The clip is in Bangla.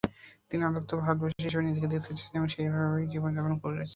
তিনি আদ্যন্ত ভারতবাসী হিসেবে নিজেকে দেখতে চেয়েছেন এবং সেইভাবে জীবন যাপন করেছেন।